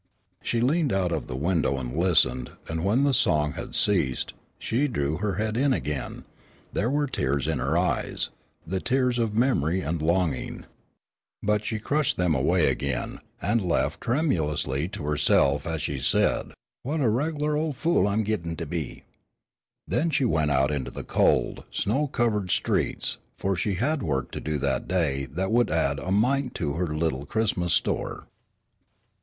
She leaned out of the window and listened and when the song had ceased and she drew her head in again, there were tears in her eyes the tears of memory and longing. But she crushed them away, and laughed tremulously to herself as she said, "What a reg'lar ol' fool I'm a gittin' to be." Then she went out into the cold, snow covered streets, for she had work to do that day that would add a mite to her little Christmas store.